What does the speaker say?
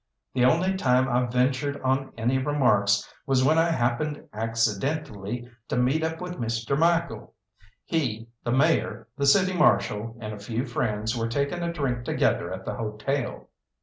The only time I ventured on any remarks was when I happened accidentally to meet up with Mr. Michael. He, the Mayor, the City Marshal, and a few friends were taking a drink together at the hotel.